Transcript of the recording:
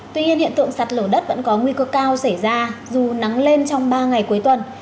tuy nhiên hiện tượng sạt lở đất vẫn có nguy cơ cao xảy ra dù nắng lên trong ba ngày cuối tuần